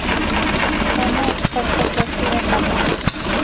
Уны тәнҡитләүселәр ҙә бар.